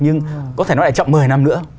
nhưng có thể nó lại chậm một mươi năm nữa